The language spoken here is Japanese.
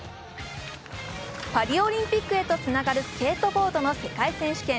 パリオリンピックへとつながるスケートボードの世界選手権。